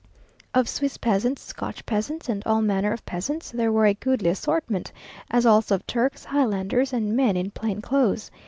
Of Swiss peasants, Scotch peasants, and all manner of peasants, there were a goodly assortment; as also of Turks, Highlanders, and men in plain clothes.